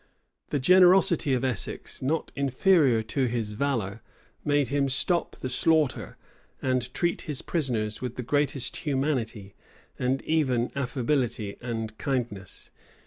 The generosity of Essex, not inferior to his valor, made him stop the slaughter, and treat his prisoners with the greatest humanity, and even affability and kindness.